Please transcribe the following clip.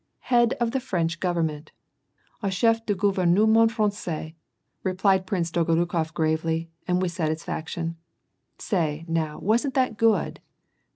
''" 'Head of the French Government/ — au chef du gouveme ment frangais," replied Prince Dolgorukof gravely, and with satisfaction. " Say, now, wasn't that good